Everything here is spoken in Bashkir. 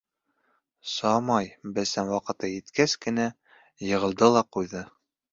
Самай бесән ваҡыты еткәс кенә, йығылды ла ҡуйҙы...